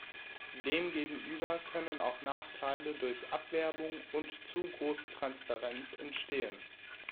Demgegenüber können auch Nachteile durch Abwerbung und zu große Transparenz entstehen.